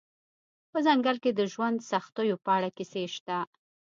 په ځنګل کې د ژوند سختیو په اړه کیسې شته